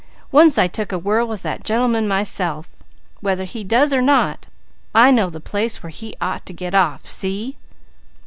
Once I took a whirl with that gentleman myself. Whether he does or not, I know the place where he ought to get off. See?